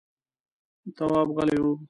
تواب غلی و…